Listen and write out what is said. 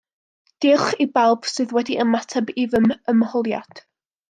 Diolch i bawb sydd wedi ymateb i fy ymholiad.